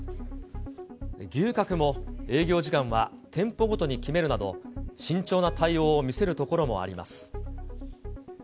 牛角も営業時間は店舗ごとに決めるなど、慎重な対応を見せるところもあります。